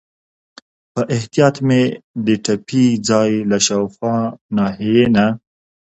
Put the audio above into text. په احتیاط مې د ټپي ځای له شاوخوا ناحیې نه.